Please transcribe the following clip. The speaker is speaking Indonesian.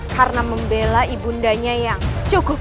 karena membelai bundanya yang cukup